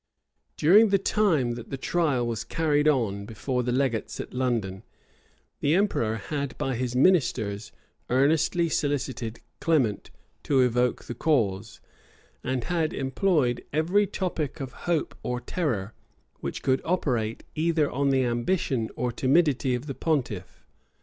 [] During the time that the trial was carried on before the legates at London, the emperor had by his ministers earnestly solicited Clement to evoke the cause; and had employed every topic of hope or terror which could operate either on the ambition or timidity of the pontiff.